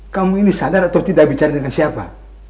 kamu ini sadar atau tidak bicara dengan siapa